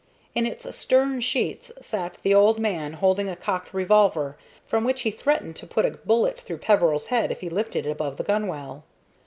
In its stern sheets sat the old man holding a cocked revolver, from which he threatened to put a bullet through Peveril's head if he lifted it above the gunwale.